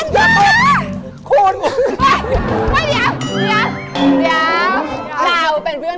คุณพูดแบบนี้